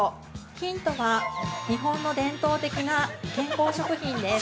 ヒントは日本の伝統的な健康食品です。